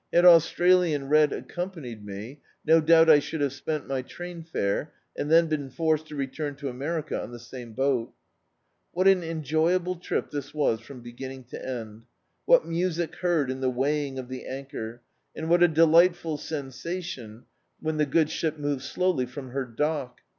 Had Australian Red accompanied me, no doubt I should have spent my train fare, and been forced to return to America 00 the same boaL What an enjc^able trip this was from beginning to end ! What music heard in the wei^ng of the anchor, and what a deli^tful sensation when the good ship moved slowly from her dock!